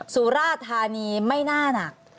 สุราธานีไม่น่าหนัก